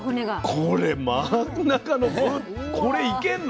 これ真ん中のこれいけんの？